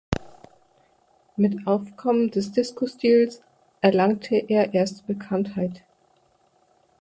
Mit Aufkommen des Disco-Stils erlangte er erste Bekanntheit.